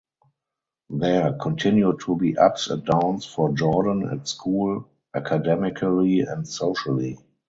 There continue to be ups and downs for Jordan at school academically and socially.